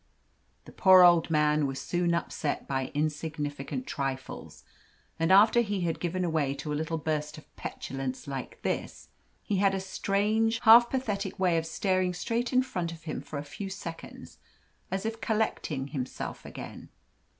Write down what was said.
The poor old man was soon upset by insignificant trifles, and after he had given way to a little burst of petulance like this, he had a strange, half pathetic way of staring straight in front of him for a few seconds, as if collecting himself again.